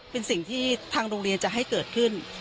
เป็นสิ่งที่ทางโรงเรียนจะให้เกิดขึ้น